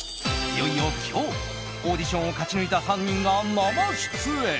いよいよ今日、オーディションを勝ち抜いた３人が生出演！